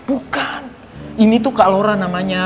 bukan ini tuh kak lora namanya